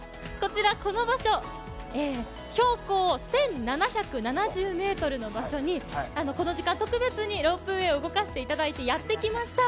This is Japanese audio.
この場所、標高１７７７ｍの場所にこの時間、特別にロープウェーを動かしてもらってやってきました。